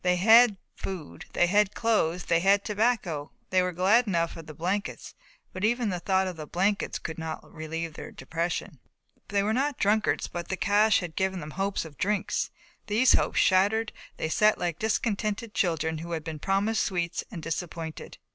They had food, they had clothes, they had tobacco. They were glad enough of the blankets, but even the thought of the blankets could not relieve their depression. They were not drunkards, but the cache had given them hopes of drinks. These hopes shattered they sat like discontented children who had been promised sweets and disappointed.